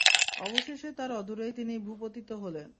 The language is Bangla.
অবশেষে তার অদূরেই তিনি ভূপতিত হলেন।